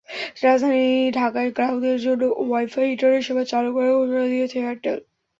রাজধানী ঢাকায় গ্রাহকদের জন্য ওয়াই-ফাই ইন্টারনেট সেবা চালু করার ঘোষণা দিয়েছে এয়ারটেল।